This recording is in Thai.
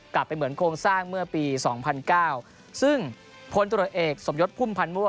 กลับไปเหมือนโครงสร้างเมื่อปี๒๐๐๙ซึ่งพลตรวจเอกสมยศพุ่มพันธ์มั่ว